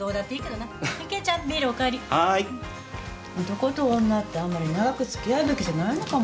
男と女ってあんまり長く付き合うべきじゃないのかもね。